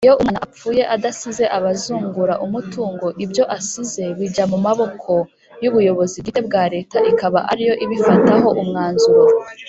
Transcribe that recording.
Iyo umwana apfuye adasize abazungura umutungo ibyo asize bijya mu maboko y’ubuyobozi bwite bwa Leta ikaba ariyo ibifataho umwanzuro.